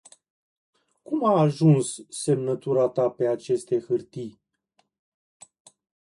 Cum a ajuns semnatura ta pe aceste hartii?